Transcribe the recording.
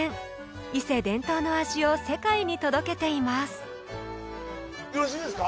伊勢伝統の味を世界に届けていますよろしいですか？